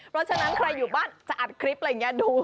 เพราะฉะนั้นใครอยู่บ้านจะอัดคลิปอะไรอย่างนี้ดู